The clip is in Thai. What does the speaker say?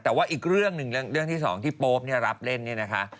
แต่ว่าอีกเรื่องหนึ่งเรื่องที่สองที่โป๊ปรับเล่นเนี่ยนะคะ